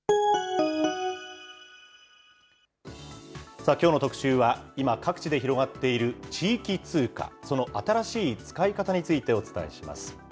さあ、きょうの特集は今、各地で広がっている地域通貨、その新しい使い方についてお伝えします。